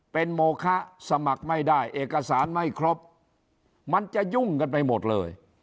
เป็นโมคะสมัครไม่ได้เอกสารไม่ครบมันจะยุ่งกันไปหมดเลย